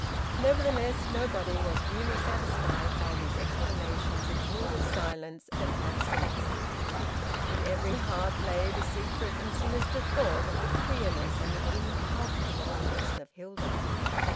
Nevertheless, nobody was really satisfied by these explanations of Hilda's silence and absence. In every heart lay the secret and sinister thought of the queerness and the incalculableness of Hilda.